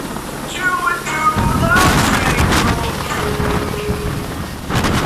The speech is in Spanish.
Por lo general se usa en niños de cuatro años de edad o menores.